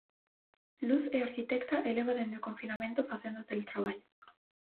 Luz é arquitecta e leva dende o confinamento facendo teletraballo.